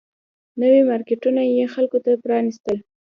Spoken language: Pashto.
نوي مارکیټونه یې خلکو ته پرانيستل